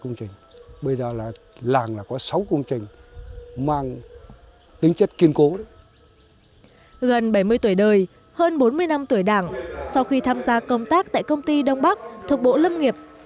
gần bảy mươi tuổi đời hơn bốn mươi năm tuổi đảng sau khi tham gia công tác tại công ty đông bắc thuộc bộ lâm nghiệp